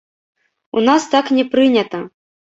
У нас так не прынята.